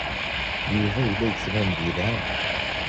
Yuba yella yettban-d yelha.